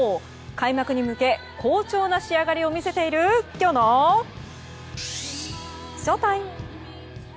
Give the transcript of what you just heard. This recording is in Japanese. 開幕へ向け好調な仕上がりを見せているきょうのＳＨＯＴＩＭＥ！